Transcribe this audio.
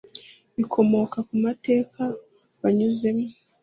bikomoka ku mateka banyuzemo i